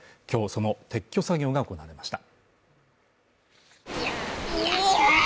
その撤去作業が行われました。